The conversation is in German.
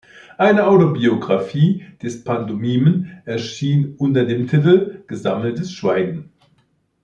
Eine Autobiografie des Pantomimen erschien unter dem Titel "Gesammeltes Schweigen".